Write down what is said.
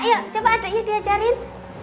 ayo coba adeknya diajarin